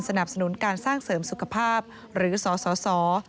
สนับสนุนการสร้างเสริมสุขภาพหรือสส